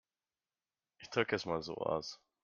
Ich drücke es mal so aus.